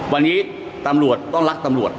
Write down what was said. วันนี้ตำรวจต้องรักตำรวจ